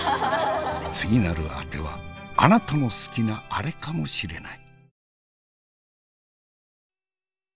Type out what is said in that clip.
次なるあてはあなたの好きなアレかもしれない。